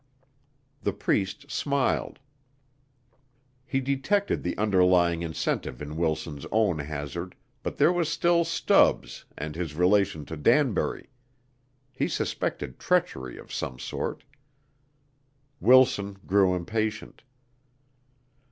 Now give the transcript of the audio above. The Priest smiled; he detected the underlying incentive in Wilson's own hazard, but there was still Stubbs and his relation to Danbury. He suspected treachery of some sort. Wilson grew impatient.